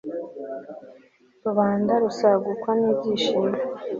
rubanda rusagukwa n'ibyishimo